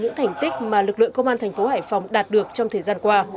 những thành tích mà lực lượng công an thành phố hải phòng đạt được trong thời gian qua